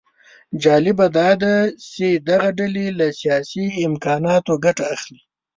جالبه داده چې دغه ډلې له سیاسي امکاناتو ګټه اخلي